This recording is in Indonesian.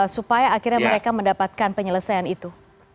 supaya akhirnya mereka mendapatkan penyelesaian itu